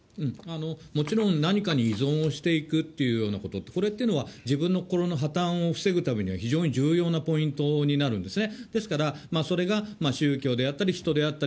もちろん何かに依存をしていくっていうようなことって、これっていうのは、自分の心の破たんを防ぐために非常に重要なポイントになるんです